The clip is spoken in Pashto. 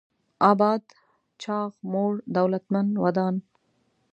اباد: چاغ، موړ، دولتمن، ودان